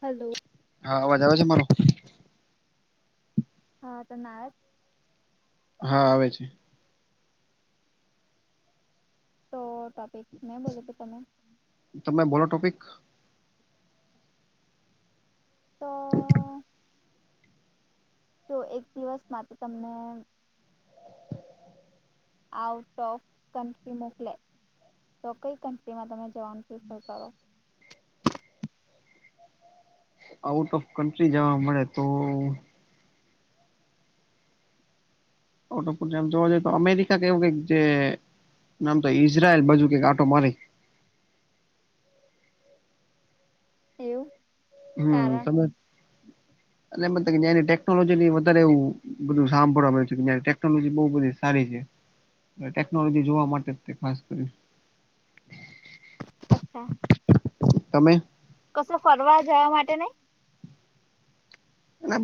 Hello. હા અવાજ આવે છે મારો. હા તો ના. હા આવે છે. તો ટોપિક મેં બોલો, તું તમે. તમે બોલો, ટોપિક. તો તો એક દિવસ માટે તમને આઉટ ઓફ કન્ટ્રી મોકલે, તો કંઈ કન્ટ્રીમાં તમે જવાનું પ્રિફર કરો? આઉટ ઓફ કન્ટ્રી જોવા મળે તો. ઓટોપ જેમ જોવા જઈએ તો અમેરિકા કેવું કઈક જે નામ તો ઈઝરાયલ બાજુ કક આંટો મારી. એવું. હમ. [inaudible] એમ કે, જૂની ટેકનોલોજી ની વધારે એવું બધું સાંભળવા મળ્યું છે કે, જ ટેકનોલોજી બહુ બધી સારી છે ટેકનોલોજી જોવા માટે, તે ખાસ કરી. અચ્છા. તમે. કશે ફરવા જવા માટે નહીં.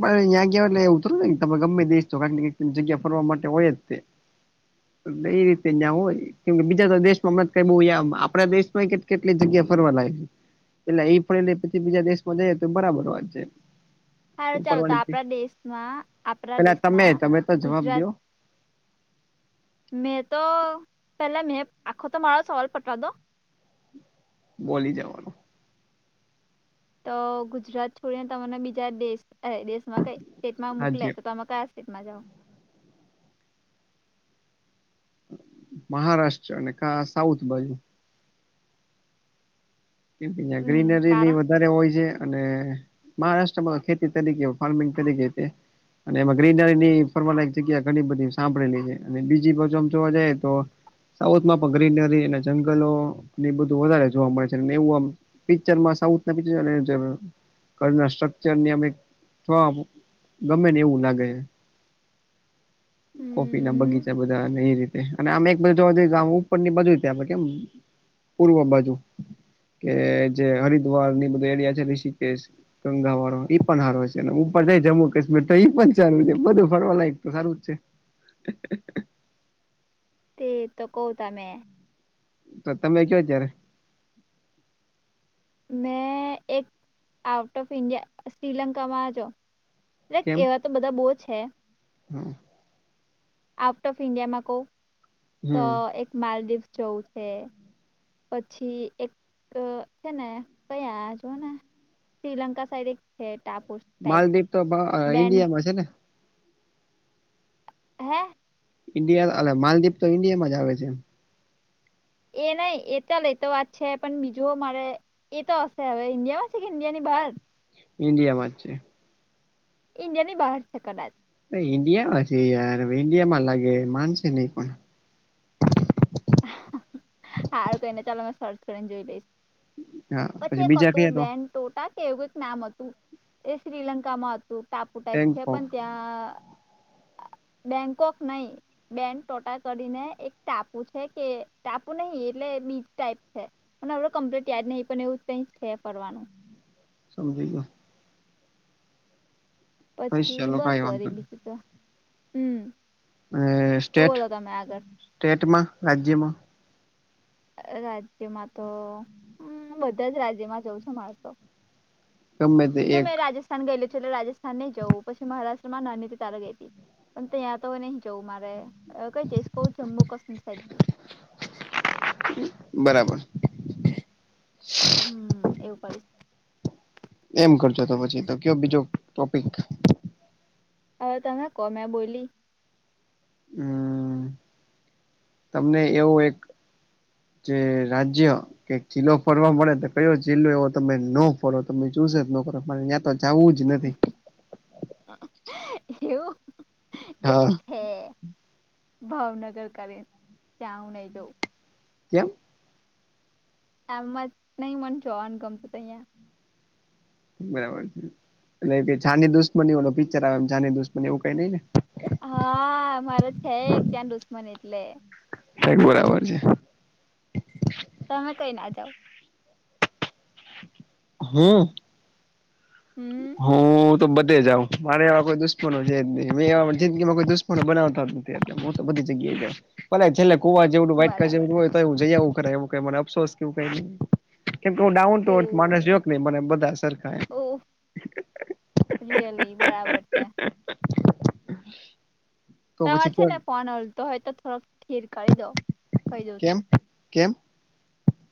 અહીં ગયા, એ ઉતર તમે ગમે દેશ, તો જગ્યા ફરવા માટે હોય જ તે. [inaudible] એ રીતે જ્યાં હોય, કેમ બીજા દેશમાં હમણાં કઈ બહુ આપણા દેશ માં કે કેટલી જગ્યા ફરવા લાગે છે, એટલે એ ફરી લે પછી બીજા દેશમાં જઈ તો બરાબર વાત છે. સારું, ચાલો, તો ફરવાની જ આપણા દેશમાં, આપણા પેલા તમે દેશમાં તમે તો જવાબ ગુજરાત દો મેં તો પહેલા, મેં આખો તો મારાા સવાલ પટવી દો. બોલી જવાનું. તો ગુજરાત છોડીને, તમને બીજા દેશ દેશમાં કઈ સ્ટેટમાં રાજ્ય મોકલે, તો તમે કઈ મજામાં છે. મહારાષ્ટ્ર અને કા સાઉથ બાજુ. જેમાં હમ ગ્રીનરી ની કારણ વધારે હોય છે, અને મહારાષ્ટ્રમાં, ખેતી તરીકે, ફાર્મિંગ તરીકે, તે અને એમાં ગ્રીનરીની, ફરવા લાયક જગ્યા ઘણી બધી સાંભળેલી છે, અને બીજી બાજુ આમ જોવા જાય તો સાઉથમાં પણ ગ્રીનરી અને જંગલો બધું વધારે જોવા મળે છે. એવું પિક્ચરમાં, સાઉથ ના પિક્ચરમાં. ઘણા સ્ટ્રકચર ને, અમે ગમે ને એવું લાગે છે. કોફી ના હમ બગીચા બધા ને રીતે અને આમ એક બાજુ જોવા જઈએ, ઉપર ની બાજુ ત્યાં કેમ પૂર્વ બાજુ. કે જે હરિદ્વાર ની બધું એરિયા છે, ઋષિકેશ ગંગા વાળો, ઈ પણ સારો છે, અને ઉપર જાય જમ્મુ કાશ્મીર, તો ઈ પણ સારું છે. બધું ફરવા લાયક, તો સારું જ છે. [inaudible] તે તો કું તમેં. તો તમે કયો ત્યારે. મેં એક આઉટ ઓફ ઇન્ડિયા, શ્રીલંકા માં છો. એટલે એવા તો બધા બહુ છે. હમ. આઉટ ઓફ ઇન્ડિયામાં કહું તો, હમ એક માલદીવ ચૌથે. પછી એક છે ને, કયા જોને શ્રીલંકા સાઈડ, એક છે, ટાપુ. માલદીવ તો ઈન્ડિયામાં છે ને? હે. ઈન્ડિયા, માલદીપ તો ઇન્ડિયા માં આવે છે એ નહીં, એ તો લે, તો વાત છે, પણ બીજું મારે. એ તો હશે, હવે ઇન્ડિયામાં છે કે ઇન્ડિયા ની બહાર? ઇન્ડિયામાં જ છે. ઇન્ડિયા ની બહાર છે કદાચ. ઇન્ડિયા, અને યાર, ઇન્ડિયામાં લાગે, માનશે નહીં, પણ. સારું કરીને, ચાલો, મેં સર્ચ કરીને જોઈ લઈશ. હા પછી એક બીજા કયા હતું, તો બેન્ડ. ટોટા, કેવું એક નામ હતું, એ શ્રીલંકામાં હતું. તું ટાપુ ટાઈપ છે, બેંગકોક પણ ત્યાં બેન્કોક નહી બેન ટોટા કરીને એક ટાપુ છે. એ ત ટાપુ ને હ એટલે બીજી ટાઈપ છે. પણ હડ કમ્પ્લીટ યાદ નહીં પણ એવું કઈ છે ફરવાનું. સમજી ગયો. હોય પછી ચાલો બસ કઈ વાળ વાંધો બીજું તો હમ. અને તો સ્ટેટ બોલો તમે આગળ સ્ટેટમાં રાજ્યમાં. રાજ્યમાં તો હ બધા જ રાજ્યમાં જઉં છું માર તો, ગમે તે જે એક મેં રાજસ્થાન ગયેલું છે, એટલે રાજસ્થાન નહી જવું પછી મહારાષ્ટ્ર મા નાની થી તારે ગઈ હતી પણ ત્યાં તો નહ જવું મારે. અ કઈ જેસકોવ જમુ કસમી સ બરાબર. જઈશ હમ એવું પ એમ કરજો તો પછી તો કયો બીજો ટોપિક, અ તમે કો મેં બોલી. હમ તમને એવું એક, જે રાજ્ય, કે જીલો ફરવા મળડે તો કયો જિલ્લો એવો તમે ન ફરો તમે ચુસ જ ન કરો. તો જવું જ નથી. એવું એક. હા હે ભાવનગર કરી જ આવન એ જઉ. કેમ? એમ જ નહ મને જોવાનું ગમતું હત અહિયાયા. બરાબર છે એટલે કે જાની દુશ્મની ઓ પિક્ચર આવે એ છાની દુશ્મની એવું કઈ નઈ ને, હા મારે છે, એક ત્યાં દુશ્મન એટલે. કક બરાબર છે. તમે કઈ ના જાવ, હું હમ હું તો બધે જાવ મારે એવા કોઈ દુશ્મનો છે ની એવા જિંદગીમાં કોઈ દુશ્મનો બવતા તો બધી જગ્યાએ ભલે છેલ્લે, કુવા જેવું વાટકા બરાબર જેવું હોય તો એ જઈ આવવુ એવું ક અફસ કેવું કઈ, કેમ કે હું ડાઉન ઓ ટુર્થ માણસ, ન મને બધા સરખાય. [inaudible] ઓ રિયલી બરાબર છે તમાર છે ને ફોન ઓલ તો હોય તો થોડોક ઠીર કરી દો. કહી દઉં છું કેમ, કેમ?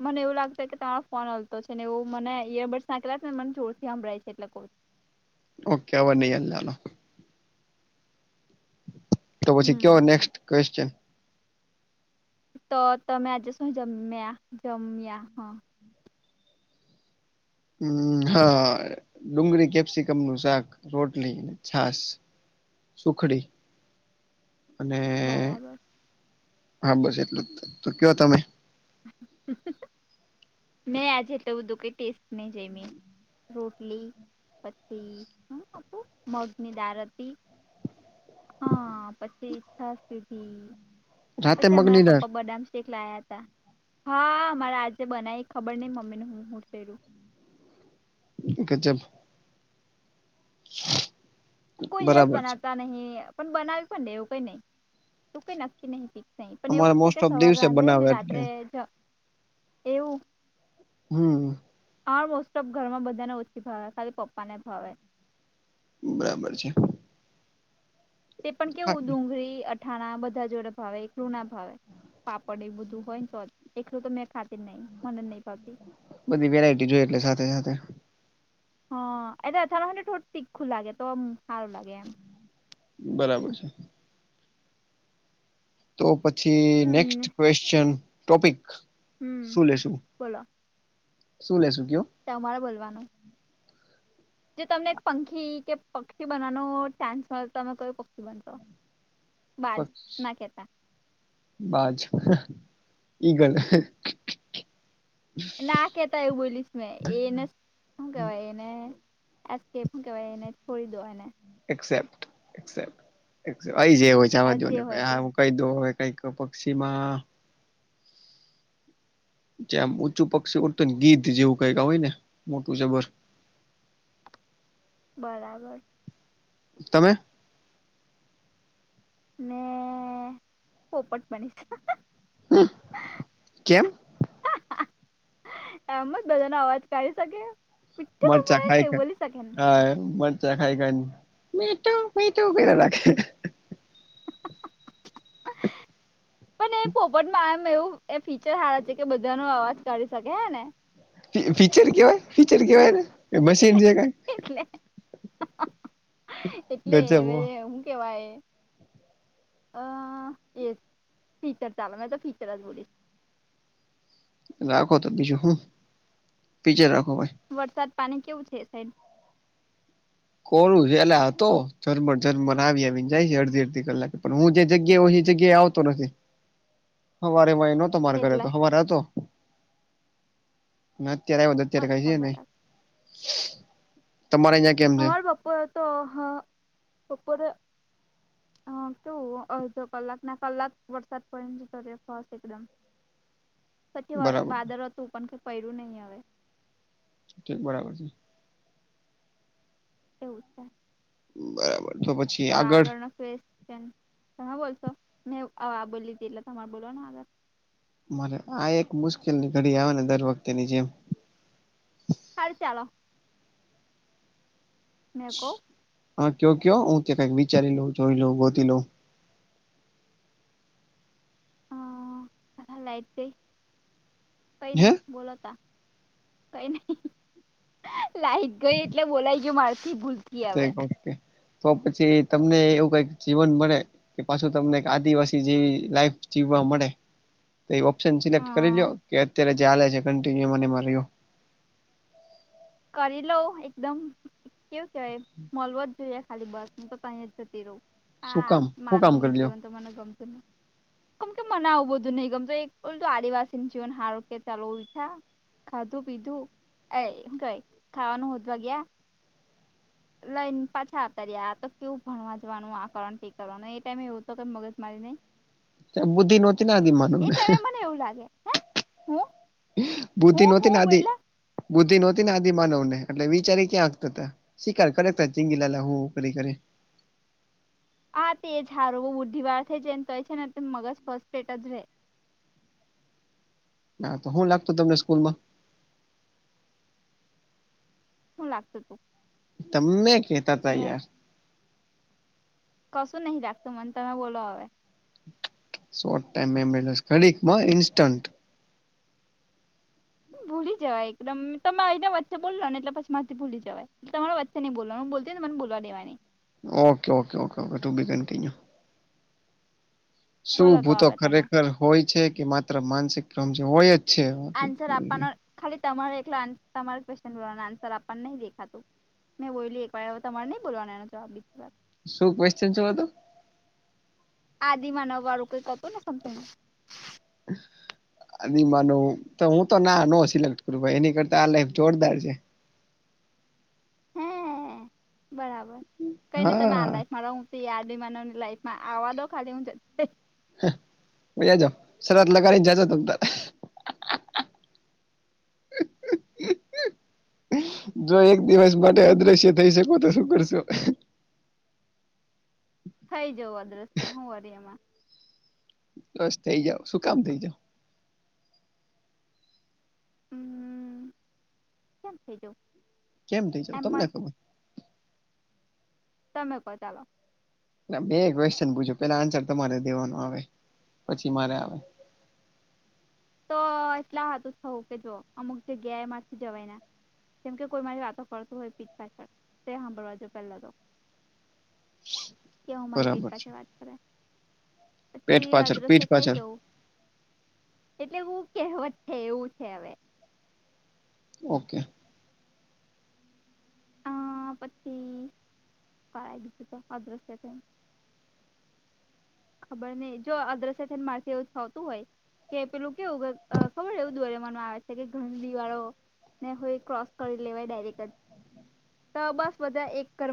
મને એવું લાગત કે તમારો ફોન હલતો છે નેવું મને ઈયરબડસ નાખેલા ને મને જોરથી સાભળાય છે એટલે ક. ઓકે અ ન એ લનો. તો પછી હમ કયો નેક્સ્ટ ક્વેશ્ચન? તો તમે આજસ જમ જમમં હ? હમ હા ડુંગળી કેપ્સિકમ નું શાક રોટલી છાસ. સુૂખડી. અને બરાબર હા બસ એટલું જ તો કયો તમે? ન આજે તો બધું કઈ ટેસ્ટ નહી જઈમ. રોટલી પછી શું મગની દળ હતી. હા પછી ઈચ્છા સુધી રાતે પછી મગની અમારા દાળ પપ્પા બદામ. કેક લાયા હતા હા મારે આજે બનાવી ખબર નહિ મમ્મી ને હું હું ઓકે જબ. [inaudible] કોઈ દિવસ બરાબર છે બનાવતા નહી પણ બનાવી પણ દેવું કઈ નહી તું કઈ નક્કી નહ. નહી પણ અમારે એવું છે કે મોસ્ટ ઓફ સવાર દિવસે રાંધે બનાવે ને એટલે રાત્રે જ એવું. હમ. હા મોસ્ટ ઓફ ઘરમાં બધા ને ઓછી ભાવે ખાલી પપ્પા ને ભાવે. બરાબર છે. તે પણ કેવું ખાય ડુંગળી અઠાણા બધા જોડે ભાવે એકલું ના ભાવે. પાપડ એ બધું હોય ને તો એકલું તો મેં ખાતી નહી મને જ નહી ભાવતી. બધી વેરાયટી જોઈ એટલે સાથે સાથે. હ એ અથાણું હોયે તીખુ લાગે તો હારુ લાગે એમ. બરાબર છે. તો પછી નેક્સ્ટ હમ ક્વેશચન ટોપિક હમ શું લેશું. શું લેેશુ કયો? તે મારે બોલવાનું. જે તમને એક પંખી કે પક્ષી બનાવાનો ચાન્સ મળે તમે કોઈ પક્ષી બનશો. બાજ પછી. ના કેતા બાજ ઈ ગલ. ના કેતા એયું બોલીશ મેં એને શું કેવાય એને. એકેપ કેહેવાય એને છોડી દો એ અનેને. એકસ્પેક્ટ એકસ્પેક્ટ આય જવાનો આ જવા જે દોને હોય તે ભાઈ કઈદો હો કઈક પક્ષીમાં. ત્યાં ઊંચું પક્ષી ઓત ને ગીધ જેવું કઈક હોય ને મોટું જબર બરાબર તમે મે પોપટ બનીશ હમ્મ કેમ? એમ જ બધાનો અવાજ કાઢી શકે. મીઠે મરચા પપ્પા ખાય કે એવું બોલી શકે ને હ મ ખાય ખાય ને મીઠુ મીઠુ કરિયા કરે પણ એ પોપટમાં આમ એવું એ ફીચર સારા છે કે બધા ન અવાજાઢ શકે હે ને. ફીચર કેવાય ફીચર કેવાય મશીન એટલે છે ક. એટલે એટલે હું કેવાય. અ એ ફીચર ચાલ મે તો ફીચર જ બોલી. રાખો તો બીજું હું ફીચર રાખો ભાઈ. વરસાદ પાણી કેવું છે સાહેબ કોરું છેેલા હતો જરમર જરમર આવી આવીને જાય છે અડધી અડધી કલાકે પણ હું જે જગ્યા એ આવતો નથી. [inaudible] હવારેમા ય નો તો મારે ઘરે એટલે તો હવારે હતો ના અત્યારે બ અત્યારે કાય અચ્છા છે નહી બરાબર તમારે કેમ છે અમારે બપોરે હતો હ બપોરે હ હતો અડધો કલાક ના કલાક વરસાદ પડી ને જતો રયો ફાસ્ટ એકદમ પછી બરાબર વાદળ હતું પણ કઈ પયડું નહી હવે ઠીક બરાબર છે એવું છે બરાબર છે પછી તો આગળ આગળનો ફેસ છે તમે બોલશો મેં આ બોલીધી એટલે તમારે બોલવાનો આવે મારે આ એક મુશ્કેલ ની ઘડી આવે ને દર વખતેની જેમ હાલ ચાલો મે કઉં હા કયો કયો હું ત કઈક વિચારી લઉ જોઈ લઉં ગોતી લઉ લાઇટ ગઈ કઈ નય હે બોલો તા કઈ નહી લાઈક ગઈ એટલે બોલાય ગયુ મારથી ભૂલ ઓકે, તો પછી તમને એવું કંઈક જીવન મળે. કે પાછું તમને આદિવાસી જેવી લાઈફ જીવવા મળે. તો એ ઓપ્શન અ સિલેક્ટ કરી લો, કે અત્યારે જે ચા છે કન્ટિન્યુ મને રહ્યો. કરી લઉં એકદમ, કેવું કેહેવાય મળવો જ જોઈએ ખાલી. હું તો તહી જ જતી રહું, શું હા. કામ હું માનવ કામ નું કરી લ્યો જીવન તો મને ગમતું ને. કેમ કે મનાવું બધું નહી ગમતો બોલ, આદિવાસી નું જીવન સારું કે ચાલો. ખાધું પીધું, એ કઈ ખાવાનું હોધવા ગયા. લઈને પાછા આવતા રહ્યા, તો કેવું ભણવા જવાનું, આ કરવાનું, તે કરવાનું. એ ટાઈમ એવું તો કંઈ મગજ મારી નઈ. બુદ્ધિ નહોતી ને આદિમાનવને. ટાઈમે મને એવું લાગે હે હું બુદ્ધિ હું નહોતી ને, હું આદિ બોયલા બુદ્ધિ નહોતી ને. આદિમાનવ ને એટલે વિચારી ક્યાં હક્તા. શિકાર કરે હ, ઝીંગાલાલા, હું કરી કરી ને. હા, તે જ હારો બહુ બુદ્ધિ વાર થઈ જ એમ તો છે ને, મગજ ફર્સ્ટેટ જ રહે. ના, શું લાગતો તમને સ્કૂલ માં? હું લાગતું તું. તમે કેતા તા મેં યાર. કશું નહીં રાખતું મને, તમે બોલો હવે. શોટ ટાઈમ મે, ખડી માં ઇન્સ્ટન્ટ. ભૂલી જવાય એકદમ. તમે એના વચ્ચે બોલો ને, એટલે પછી માંથી ભૂલી જવાય. તમારે વચ્ચે નઈ બોલવાનું, હું બોલતી હોય ને મને બોલવા દેવાની. Okay, okay, okay, okay. To be continue. શું બોલો તો ભૂતો હવે તમે ખરેખર હોય છે કે માત્ર માનસિક ક્રમ જે હોય જ? આન્સર આપવાનો છે ખાલી તમારો તમા ક્વેશ્ન આન્સર આપવાનું નહી દેખાતું. મેં બોઈલી એક વાર આવે તમારે નઈ બોલવાના એનો જવાબ લીધી વાત. શું ક્વેશ્ચન શું હતું? આદિમાનવ વાળું કંઈક હતું ને તમને? હ. આ માનું હું તો ના ન સિલેક્ટ કરું એની કરતા આ લાઈફ જોરદાર છે. હે બરાબર કઈ નય તમે આ હા લાઈફમાં રહું ત યાદી માનવની લાઈફમાં આવવા દો ખાલી હું જ. વયા જાઓ, સરત લગીને જજો ત તો. જો એક દિવસ માટે અદ્રશ્ય થઈ શકો તો શું કરશો? થઈ જવું અદ્રશ્ય હું વરી એમાં. બસ થઈ જાવ, શું કામ થઈ જાવ? હ, કામ થઈ દો. કેમ થઇ જઉ તમને ખબર? તમે કો, ચાલો. મેં ક્વેશ્ચન પૂછ્યું, પેલા આન્સર તમારે દેવાનો આવે પછી મારે આવે. તો એટલા હાથું થવું કે, જો અમુક જગ્યાએમાંર થી જવાય ના. કેમ કે કોઈ મારી વાતો કરતું હોય પીઠ પાછળ તે સાંભળવા જઉં પેલા તો. કેવું મારી પીઠ બરાબર છે પાછલ વાત કરે. પેટ પછી પાછળ અદ્રશ્ય પીઠ થઇ પાછળ જવ. એટલે બું કહેવત છે એવું છે હવે. ઓકે. હ પછી કરાઈ દીધું તો અદ્રશ્ય થયન. ખબર નઇ જો અદ્રશ્ય થયન માર થી એવું થતું હોય. કે પેલું કેવું અ ખબર છે એવું દોરેમોન વાળો છે કે ઘઢી વાળો. ને હોય ક્રોસ કરી લેવાય ડાયરેક્ટ જ તો બસ બધા એક ઘરમાં